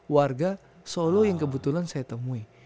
warga solo yang kebetulan saya temui